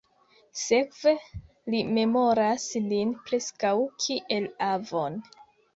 Sekve li memoras lin preskaŭ kiel avon.